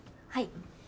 はい。